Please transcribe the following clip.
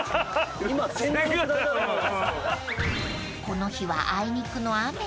［この日はあいにくの雨］